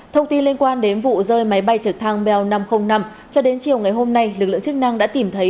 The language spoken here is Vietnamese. thông tin liên quan đến vụ rơi máy bay trực thăng bel năm trăm linh năm cho đến chiều ngày hôm nay lực lượng chức năng đã tìm thấy